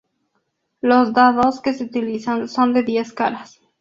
Los dados que se utilizan son de diez caras.